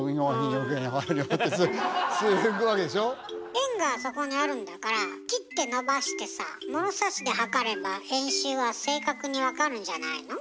円がそこにあるんだから切って伸ばしてさ物差しで測れば円周は正確に分かるんじゃないの？